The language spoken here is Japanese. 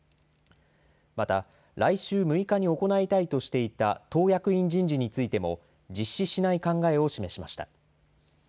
また、来週６日に行いたいとしていた党役員人事についても実施しない考えを示しました。